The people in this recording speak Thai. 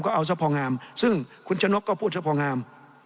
ก็เอาซะพองามซึ่งคุณจนกก็พูดซะพองาม